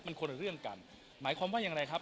มันคนละเรื่องกันหมายความว่าอย่างไรครับ